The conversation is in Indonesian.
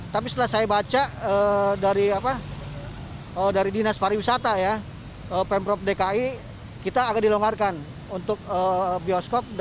tapi setelah saya baca dari dinas pariwisata ya pemprov dki kita agak dilonggarkan untuk bioskop